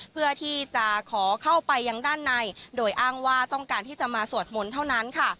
เพื่อที่จะขอเข้าไปยังด้านในโดยอ้างว่าต้องการที่จะมาสวดมนต์เท่านั้นค่ะ